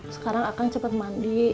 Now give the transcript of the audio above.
sekarang akan cepet mandi